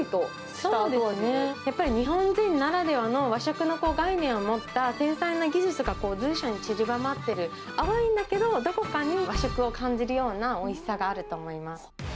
やっぱり日本人ならではの和食の概念を持った、繊細な技術が随所にちりばまってる、淡いんだけど、どこかに和食を感じるようなおいしさがあると思います。